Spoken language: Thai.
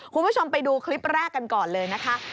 คุณผู้ชมไปดูคลิปแรกกันก่อนเลยนะคะ